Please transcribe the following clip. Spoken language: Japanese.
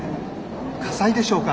火災でしょうか？